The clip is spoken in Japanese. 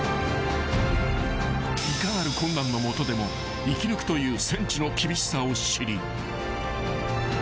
［いかなる困難の下でも生き抜くという戦地の厳しさを知り］